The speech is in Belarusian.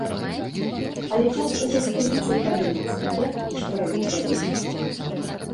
Але час ужо спыніцца і падумаць, як і што рабіць далей.